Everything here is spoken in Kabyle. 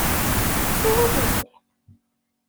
Steqsi win yellan!